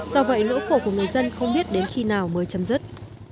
do vậy lỗ khổ của người dân không biết đến khi nào mới chấm dứt